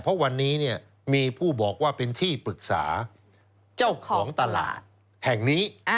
เพราะวันนี้มีผู้บอกว่าเป็นที่ปรึกษาเจ้าของตลาดแห่งนี้